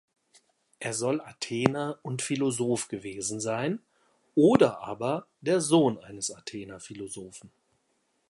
Er soll Athener und Philosoph gewesen sein oder aber der Sohn eines Athener Philosophen.